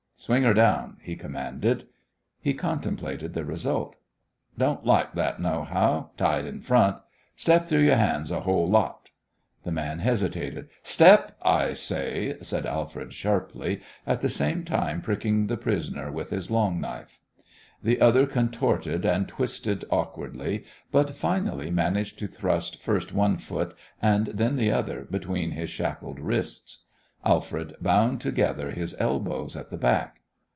"Swing her down," he commanded. He contemplated the result. "Don't like that nohow tied in front. Step through your hands a whole lot." The man hesitated. "Step, I say!" said Alfred, sharply, at the same time pricking the prisoner with his long knife. The other contorted and twisted awkwardly, but finally managed to thrust first one foot, then the other, between his shackled wrists. Alfred bound together his elbows at the back.